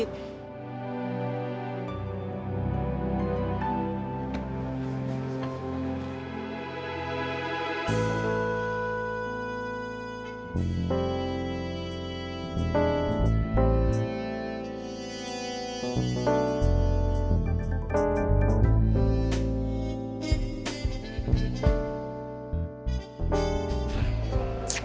itu bang nyi it